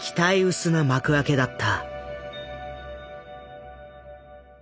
薄な幕開けだった。